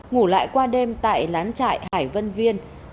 ngủ lại qua đêm tại lán trại hải vân viên